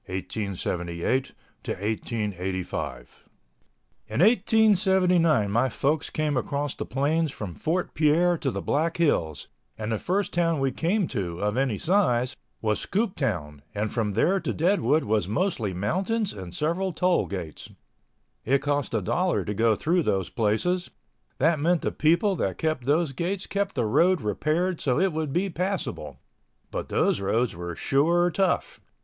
CHAPTER II BLACK HILLS OF SOUTH DAKOTA (1878 to 1885) In 1879 my folks came across the plains from Fort Pierre to the Black Hills and the first town we came to, of any size, was Scooptown and from there to Deadwood was mostly mountains and several toll gates. It cost a dollar to go through those places—that meant the people that kept those gates kept the road repaired so it would be passable—but those roads were sure tough.